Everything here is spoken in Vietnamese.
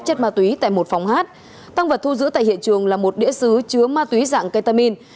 chất mà túy tại một phòng hát tăng vật thu giữ tại hiện trường là một đĩa sứ chứa mà túy dạng ketamine